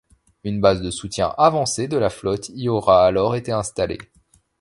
Une base de soutien avancé de la Flotte y aura alors été installée.